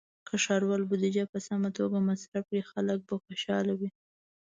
که ښاروالۍ بودیجه په سمه توګه مصرف کړي، خلک به خوشحاله وي.